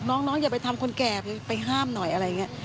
น้องอย่าไปทำคนแก่ไปห้ามหน่อยอะไรอย่างนี้